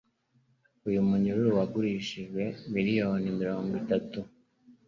uyu munyururu wagurishije miliyari miringo itatu